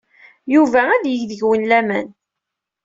Yuba ad yeg deg-wen laman.